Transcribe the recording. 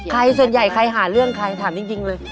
ส่วนใหญ่ใครหาเรื่องใครถามจริงเลย